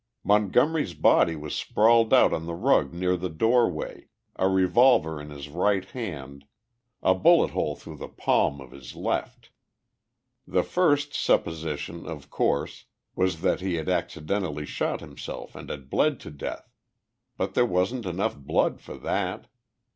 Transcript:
Montgomery's body was sprawled out on the rug near the doorway a revolver in his right hand, a bullet hole through the palm of his left. The first supposition, of course, was that he had accidentally shot himself and had bled to death. But there wasn't enough blood for that.